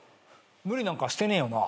無理なんかしてねえよな。